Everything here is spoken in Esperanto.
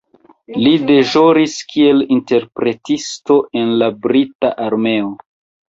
Li deĵoris kiel interpretisto en la brita armeo.